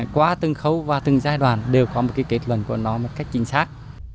qua từng khâu và từng giai đoạn đều có một kết luận của nó một cách chính xác